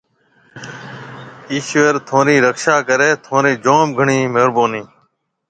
ايشوَر ٿُونرِي رڪشا ڪريَ۔ ٿُونرِي جوم گھڻِي مهربونِي۔